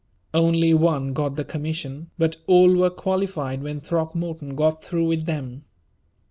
Only one got the commission, but all were qualified when Throckmorton got through with them.